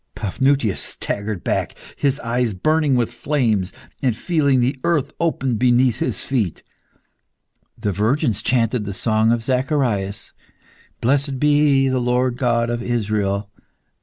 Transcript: Paphnutius staggered back, his eyes burning with flames and feeling the earth open beneath his feet. The virgins chanted the song of Zacharias: _"Blessed be the Lord God of Israel."